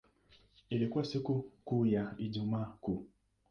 Ilikuwa siku ya Ijumaa Kuu.